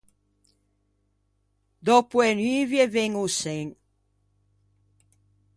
Dòppo e nuvie ven o sen.